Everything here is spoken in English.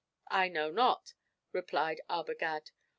"I know not," replied Arbogad.